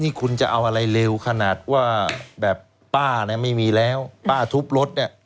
นี่คุณจะเอาอะไรเร็วขนาดว่าแบบป้าเนี่ยไม่มีแล้วป้าทุบรถเนี่ย